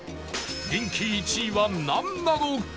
人気１位はなんなのか？